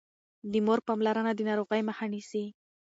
د مور پاملرنه د ناروغۍ مخه نيسي.